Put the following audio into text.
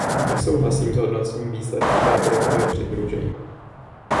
Nesouhlasím s hodnocením výsledků této dohody o přidružení.